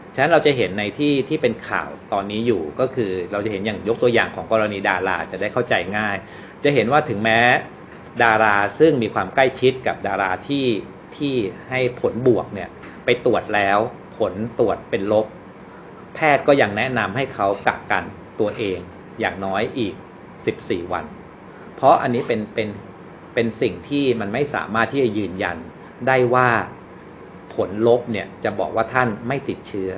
ฉะนั้นเราจะเห็นในที่ที่เป็นข่าวตอนนี้อยู่ก็คือเราจะเห็นอย่างยกตัวอย่างของกรณีดาราจะได้เข้าใจง่ายจะเห็นว่าถึงแม้ดาราซึ่งมีความใกล้ชิดกับดาราที่ที่ให้ผลบวกเนี่ยไปตรวจแล้วผลตรวจเป็นลบแพทย์ก็ยังแนะนำให้เขากักกันตัวเองอย่างน้อยอีก๑๔วันเพราะอันนี้เป็นเป็นสิ่งที่มันไม่สามารถที่จะยืนยันได้ว่าผลลบเนี่ยจะบอกว่าท่านไม่ติดเชื้อ